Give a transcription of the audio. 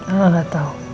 al gak tahu